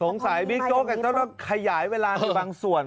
สงสัยบิ๊กโจ๊กต้องผ่ยายเวลาด้วยบางส่วน